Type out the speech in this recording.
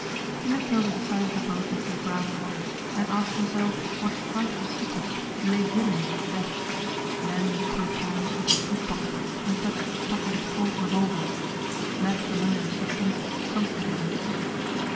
He looked over the side of the boat into the brown water, and asked himself what frightful secrets lay hidden in its depth. Then he put his hand into his hip pocket and touched the stock of his Colt revolver that familiar substance comforted him.